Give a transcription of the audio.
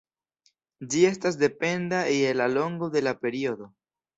Ĝi estas dependa je la longo de la periodo.